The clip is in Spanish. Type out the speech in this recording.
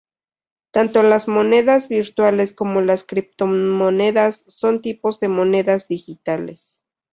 Tanto las monedas virtuales cómo las criptomonedas son tipos de monedas digitales.